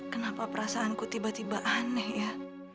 kenapa perasaanku tiba tiba aneh ya